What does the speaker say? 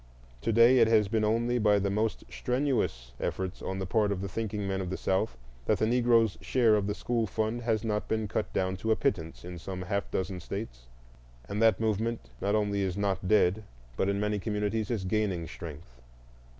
To day it has been only by the most strenuous efforts on the part of the thinking men of the South that the Negro's share of the school fund has not been cut down to a pittance in some half dozen States; and that movement not only is not dead, but in many communities is gaining strength.